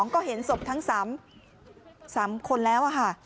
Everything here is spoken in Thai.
ก็เห็นสบทั้ง๓คนแล้ว